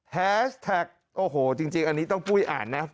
แฮชแท็กโอ้โหจริงอันนี้ต้องปุ้ยอ่านนะ